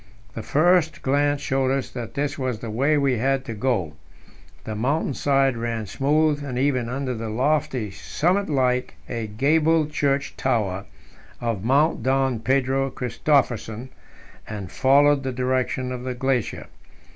The first glance showed us that this was the way we had to go. The mountain side ran smooth and even under the lofty summit like a gabled church tower of Mount Don Pedro Christophersen, and followed the direction of the glacier.